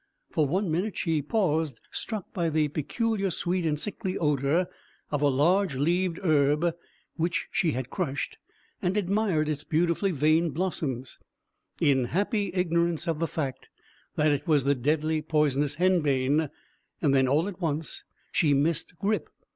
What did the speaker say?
For one minute she paused, struck by the peculiar sweet and sickly odour of a large leaved herb which she had crushed, and admired its beautifully veined blossoms, in happy ignorance of the fact that it was the deadly poisonous henbane, and then all at once she missed Grip.